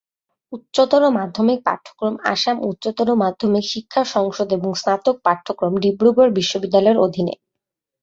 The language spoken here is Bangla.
উচ্চতর মাধ্যমিক পাঠ্যক্রম আসাম উচ্চতর মাধ্যমিক শিক্ষা সংসদ এবং স্নাতক পাঠ্যক্রম ডিব্রুগড় বিশ্ববিদ্যালয়-এর অধীনে।